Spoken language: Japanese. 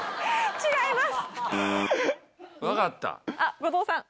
違います！